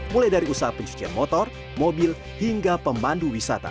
mulai dari usaha pencucian motor mobil hingga pemandu wisata